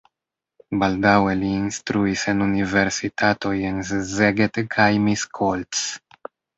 Baldaŭe li instruis en universitatoj en Szeged kaj Miskolc.